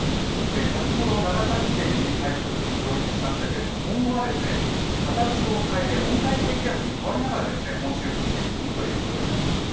先ほど、長崎県に台風、上陸しましたが、今後は形を変えて温帯低気圧に変わりながら本州付近へ進むことになります。